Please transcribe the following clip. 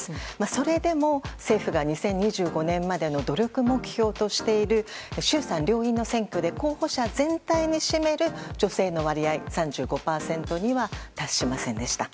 それでも政府が２０２５年までの努力目標としている衆参両院の選挙で候補者全体に占める女性の割合３５％には達しませんでした。